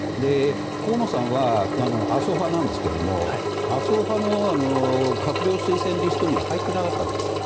河野さんは麻生派なんですが麻生派の閣僚推薦リストには入っていなかったんです。